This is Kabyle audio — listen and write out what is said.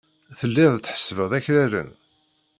Telliḍ tḥessbeḍ akraren.